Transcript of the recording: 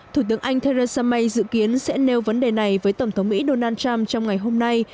thủ tướng anh theresa may dự kiến sẽ nêu vấn đề này với tổng thống mỹ donald trump trong ngày hôm nay